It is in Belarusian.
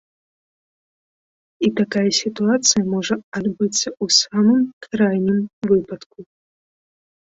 І такая сітуацыя можа адбыцца ў самым крайнім выпадку.